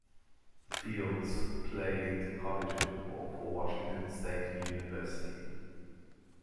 Fields played college football for Washington State University.